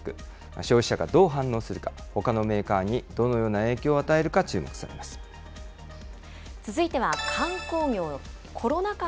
消費者がどう反応するか、ほかのメーカーにどのような影響を与え続いては、観光業。